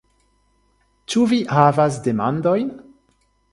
Ĉu vi havas demandojn?